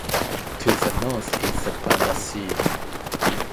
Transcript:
To the north is the Banda Sea.